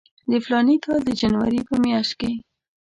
د فلاني کال د جنوري په میاشت کې.